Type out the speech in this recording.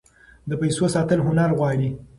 د پیسو ساتل هنر غواړي.